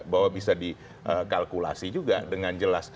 bahwa bisa dikalkulasi juga dengan jelas